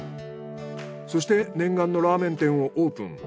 そして念願のラーメン店をオープン。